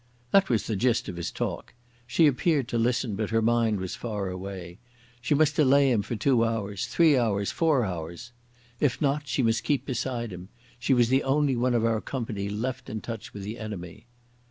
That was the gist of his talk. She appeared to listen, but her mind was far away. She must delay him for two hours, three hours, four hours. If not, she must keep beside him. She was the only one of our company left in touch with the enemy....